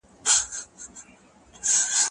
زه کتابتوننۍ سره وخت تېروولی دی،